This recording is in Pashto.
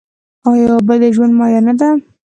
آیا اوبه د ژوند مایه نه ده؟